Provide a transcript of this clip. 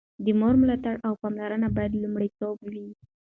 د مور ملاتړ او پاملرنه باید لومړیتوب وي.